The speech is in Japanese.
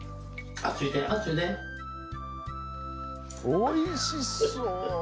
おいしそう！